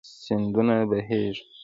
سيندونه بهيږي